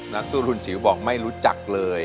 นักสู้รุ่นจิ๋วบอกไม่รู้จักเลย